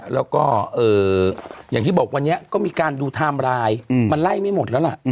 แล้วก็อย่างที่บอกวันนี้ก็มีการดูไทม์ไลน์มันไล่ไม่หมดแล้วล่ะ